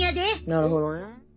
なるほどね。